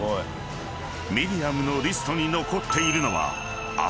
［ミリアムのリストに残っているのは］